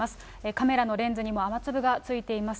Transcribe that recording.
カメラのレンズにも雨粒がついています。